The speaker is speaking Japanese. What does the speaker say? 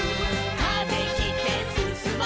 「風切ってすすもう」